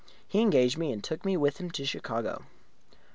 He engaged me, and took me with him to Chicago.